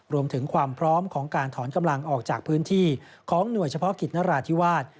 รวมถึงความพร้อมของการถอนกำลังออกจากพื้นที่ของหน่วยเฉพาะกิจนราธิวาส